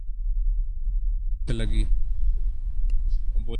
یہ چوٹ کیسے لگی؟